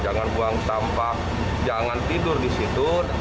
jangan buang sampah jangan tidur di situ